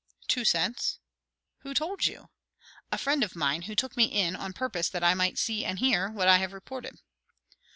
"Two cents." "Who told you?" "A friend of mine, who took me in on purpose that I might see and hear, what I have reported."